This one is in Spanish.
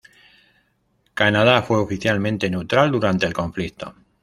Canadá, fue oficialmente neutral durante el conflicto.